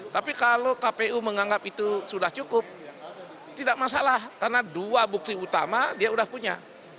tapi kalau kpu menganggap itu sudah cukup tidak masalah karena dua bukti utama dia sudah punya